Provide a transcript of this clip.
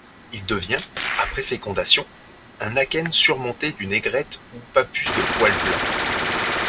Il devient, après fécondation, un akène surmonté d’une aigrette ou pappus de poils blancs.